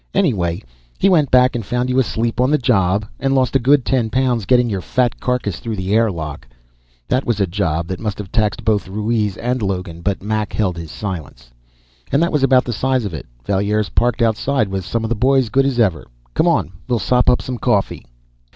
Anyway, he went back and found you asleep on the job, and lost a good ten pounds getting your fat carcass through the air lock." That was a job that must have taxed both Ruiz and Logan, but Mac held his silence. "And that was about the size of it. Valier's parked outside with some of the boys, good as ever. Come on, we'll sop up some coffee."